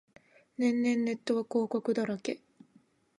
年々ネットは広告だらけ